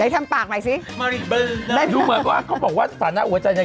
ไหนทำปากใหม่สิดูเหมือนว่าเขาบอกว่าสถานะอุวจรรย์